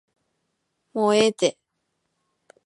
もうええて